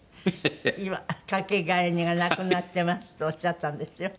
今「掛け替えがなくなってます」とおっしゃったんですよ。